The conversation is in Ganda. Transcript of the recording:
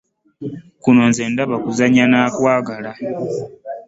Kuno nze ndaba kuzannya n'akwagala.